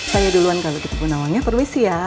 saya duluan kalau gitu bu nawangnya perwisi ya